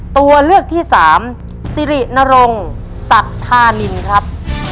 ตัวเลือกที่สามสิรินรงศรัทธานินครับ